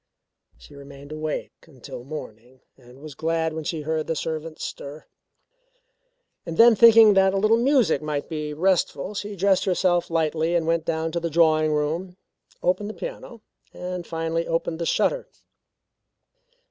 She remained awake until morning and was glad when she heard the servants stir. Then thinking that a little music might be restful, she dressed herself lightly and went down to the drawing room, opened the piano and finally opened the shutter.